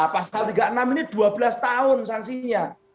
pasal tiga puluh enam ini dua belas tahun sanksinya